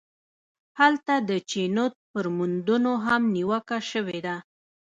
هلته د چینوت پر موندنو هم نیوکه شوې ده.